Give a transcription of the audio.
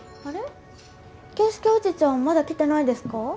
あれっ圭介おじちゃんはまだ来てないですか？